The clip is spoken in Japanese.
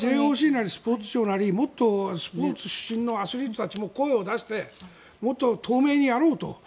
ＪＯＣなりスポーツ庁なりもっとスポーツ出身のアスリートたちも声を出してもっと透明にやろうと。